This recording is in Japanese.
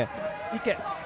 池。